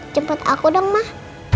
cepet aku dong mah